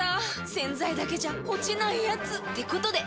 ⁉洗剤だけじゃ落ちないヤツってことで。